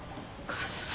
お母さん。